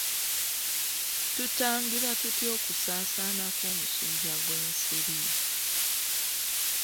Tutangira tutya okusaasaana kw'omusujja gw'ensiri?